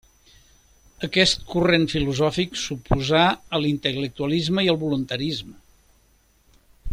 Aquest corrent filosòfic s'oposà a l'intel·lectualisme i el voluntarisme.